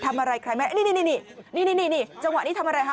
นี่นี่นี่จังหวะนี้ทำอะไรฮะ